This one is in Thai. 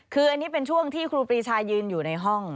คืออันนี้เป็นช่วงที่ครูปรีชายืนอยู่ในห้อง